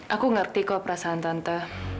aku ngerti kok perasaan tante